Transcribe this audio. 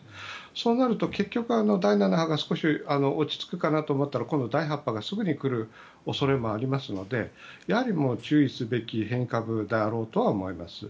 そうなると結局第７波が少し落ち着くかと思ったら今度は第８波がすぐ来る恐れもあるので注意すべき変異株であろうとは思います。